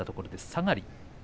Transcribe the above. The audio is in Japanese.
下がり。